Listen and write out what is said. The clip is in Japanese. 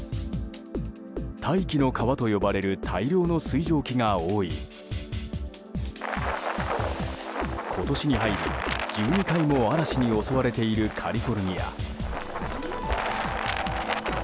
大気の川と呼ばれる大量の水蒸気が覆い今年に入り１２回も嵐に襲われているカリフォルニア。